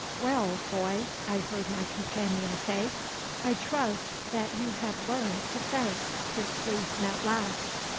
'Well, boy,' I heard my companion say, 'I trust that you have learned to fence since we met last.